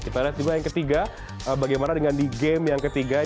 kita lihat juga yang ketiga bagaimana dengan di game yang ketiga